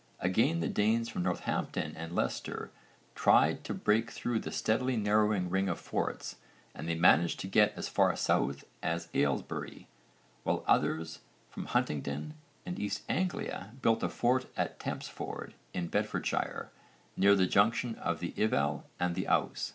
Again the Danes from Northampton and Leicester tried to break through the steadily narrowing ring of forts and they managed to get as far south as Aylesbury, while others from Huntingdon and East Anglia built a fort at Tempsford in Bedfordshire near the junction of the Ivel and the Ouse.